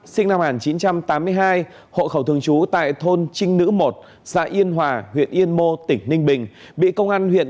xin chào các bạn